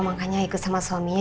makanya ikut sama suaminya